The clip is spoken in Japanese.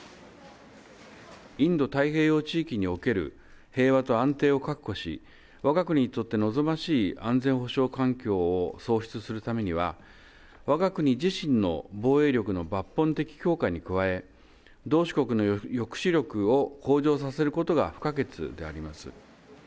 インド太平洋地域における平和と安定を確保し、わが国にとって望ましい安全保障環境を創出するためには、わが国自身の防衛力の抜本的強化に加え、同志国の抑止力を向上させることが不可欠であります。